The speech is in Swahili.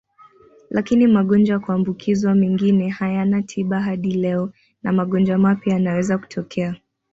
Lakini magonjwa ya kuambukizwa mengine hayana tiba hadi leo na magonjwa mapya yanaweza kutokea.